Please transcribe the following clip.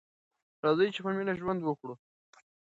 راځئ چې په مینه ژوند وکړو.